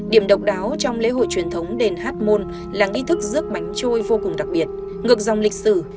điểm độc đáo trong lễ hội truyền thống đền hát môn là nghi thức rước bánh chuôi vô cùng đặc biệt ngược dòng lịch sử